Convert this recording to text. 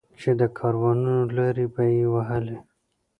چې د کاروانونو لارې به یې وهلې.